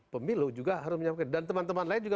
pemilu juga harus menyampaikan dan teman teman lain juga